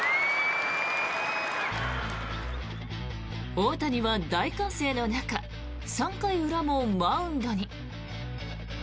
大谷は大歓声の中３回裏もマウンドに。